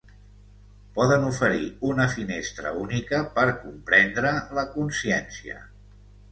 poden oferir una finestra única per comprendre la consciència